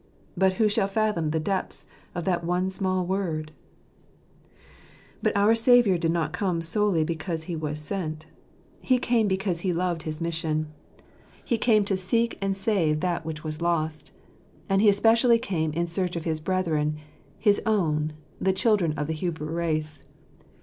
But who shall fathom the depths of that one small word ? But our Saviour did not come solely because He was sent. He came because He loved his mission. He came to seek 2 3 Jfa gretljrett fount* in gotban. and to save that which was lost. And He especially came in search of his brethren, his own, the children of the Hebrew race.